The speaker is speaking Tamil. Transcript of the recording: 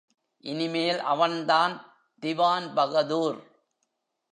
இனி மேல் அவன்தான் திவான்பகதூர்.